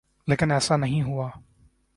لیکن ایسا نہیں ہوا۔